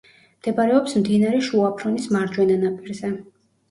მდებარეობს მდინარე შუა ფრონის მარჯვენა ნაპირზე.